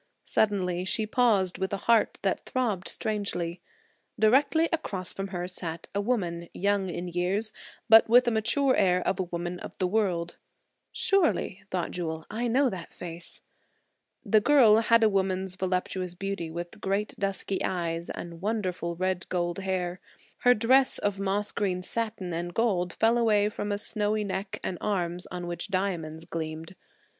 Suddenly she paused with a heart that throbbed strangely. Directly across from her sat a woman–young in years, but with a mature air of a woman of the world. "Surely," thought Jewel, "I know that face." The girl had a woman's voluptuous beauty with great dusky eyes and wonderful red gold hair. Her dress of moss green satin and gold fell away from snowy neck and arms on which diamonds gleamed.